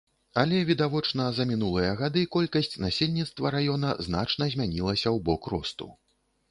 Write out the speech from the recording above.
Але, відавочна, за мінулыя гады колькасць насельніцтва раёна значна змянілася ў бок росту.